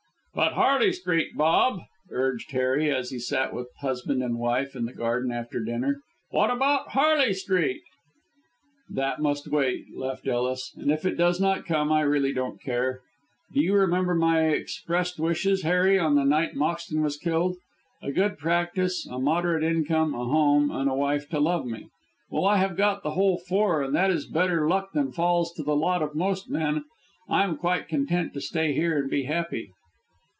"But Harley Street, Bob," urged Harry, as he sat with husband and wife in the garden after dinner. "What about Harley Street?" "That must wait," laughed Ellis; "and if it does not come I really don't care. Do you remember my expressed wishes, Harry, on the night Moxton was killed? 'A good practice, a moderate income, a home, and a wife to love me.' Well, I have got the whole four, and that is better luck than falls to the lot of most men. I am quite content to stay here and be happy."